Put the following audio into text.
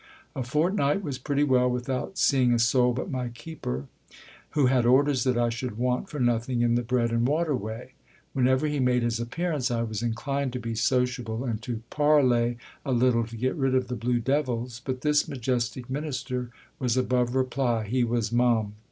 A fortnight was pretty well without seeing a soul but my keeper, who had orders that I should want for nothing in the bread and water way ! Whenever he made his appearance I was inclined to be sociable, and to parley a little to get rid of the blue devils ; but this majestic minister was above reply, he was mum